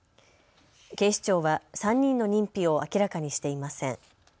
警視庁は３人の認否を明らかにしていません。